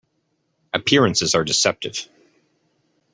Appearances are deceptive.